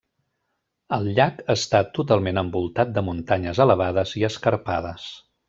El llac està totalment envoltat de muntanyes elevades i escarpades.